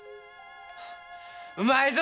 うまいぞ！